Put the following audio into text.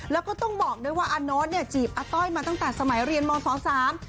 แล้วก็ต้องบอกด้วยว่าอาโน๊ตเนี่ยจีบอาต้อยมาตั้งแต่สมัยเรียนมสองสาม